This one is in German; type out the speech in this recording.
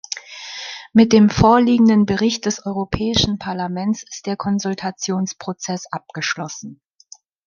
Mit dem vorliegenden Bericht des Europäischen Parlaments ist der Konsultationsprozess abgeschlossen.